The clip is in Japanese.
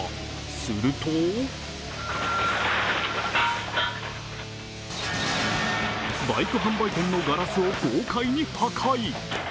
するとバイク販売店のガラスを豪快に破壊。